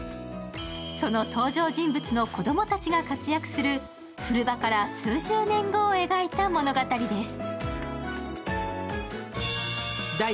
その登場人物の子供たちが活躍する、フルバから数十年後を描いた物語です。